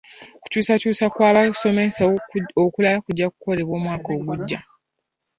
Okukyusakyusa kw'abasomesa okulala kujka kukolebwa omwaka ogujja.